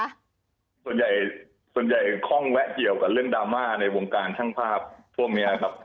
ส่วนใหญ่ค่องแวะเกี่ยวกับเรื่องดราม่าในวงการช่างภาพทั่วเนี่ยครับ